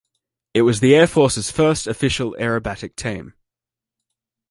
It was the air force's first official aerobatic team.